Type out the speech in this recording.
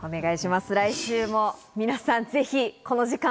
来週も皆さん、ぜひこの時間